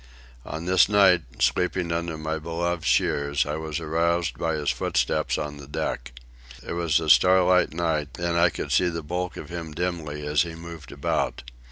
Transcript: On this night, sleeping under my beloved shears, I was aroused by his footsteps on the deck. It was a starlight night, and I could see the bulk of him dimly as he moved about.